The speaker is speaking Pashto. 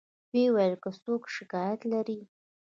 و یې ویل که څوک شکایت لري.